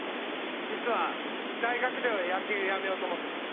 実は大学では野球やめようと思ってます。